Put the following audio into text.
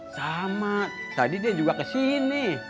sama tadi dia juga kesini